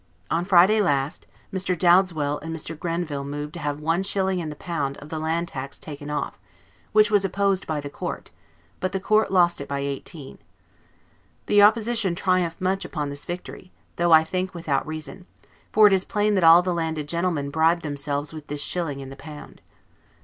On Friday last, Mr. Dowdeswell and Mr. Grenville moved to have one shilling in the pound of the land tax taken off; which was opposed by the Court; but the Court lost it by eighteen. The Opposition triumph much upon this victory; though, I think, without reason; for it is plain that all the landed gentlemen bribed themselves with this shilling in the pound.